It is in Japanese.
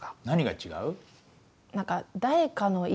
何が違う？